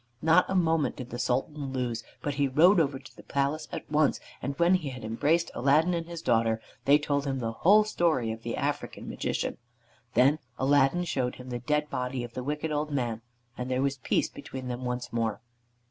Not a moment did the Sultan lose, but he rode over to the palace at once, and when he had embraced Aladdin and his daughter, they told him the whole story of the African Magician. Then Aladdin showed him the dead body of the wicked old man, and there was peace between them once more.